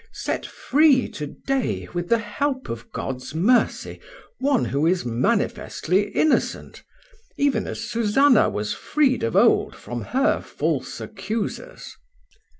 Set free today, with the help of God's mercy, one who is manifestly innocent, even as Susanna was freed of old from her false accusers."